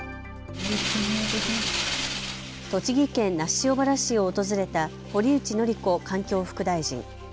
栃木県那須塩原市を訪れた堀内詔子環境副大臣。